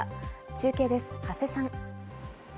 中継です、長谷さん。